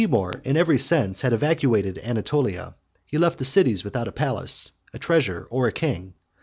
When Timour, in every sense, had evacuated Anatolia, he left the cities without a palace, a treasure, or a king.